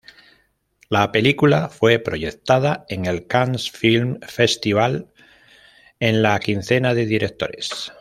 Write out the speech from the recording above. La película fue proyectada en el Cannes Film Festival en la quincena de directores.